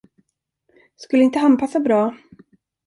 Skulle inte han passa bra?